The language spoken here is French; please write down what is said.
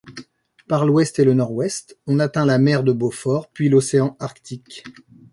Par l'ouest et le nord-ouest, on atteint la mer de Beaufort puis l'océan Arctique.